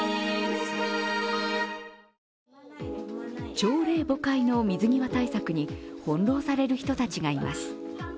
朝令暮改の水際対策に翻弄される人たちがいます。